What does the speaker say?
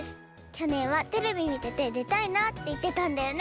きょねんはテレビみててでたいなっていってたんだよね。